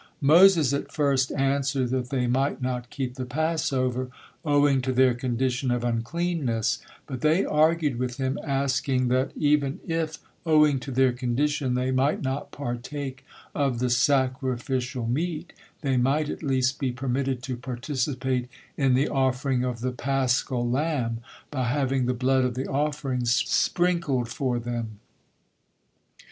Moses at first answered that they might not keep the Passover owing to their condition of uncleanness, but they argued with him, asking that even if, owing to their condition, they might not partake of the sacrificial meat, they might, at least, be permitted to participate in the offering of the paschal lamb by having the blood of the offering sprinkled for them.